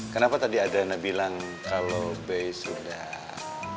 kenapa tadi adriana bilang kalo b sudah